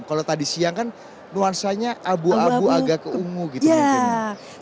kalau tadi siang kan nuansanya abu abu agak keungu gitu mungkin